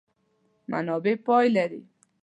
منابع پای لري.